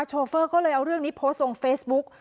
โฟเฟอร์ก็เลยเอาเรื่องนี้โพสต์ลงเฟซบุ๊ก